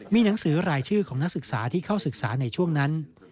มีหนังสือรายชื่อของนักศึกษาที่เข้าศึกษาในช่วงนั้น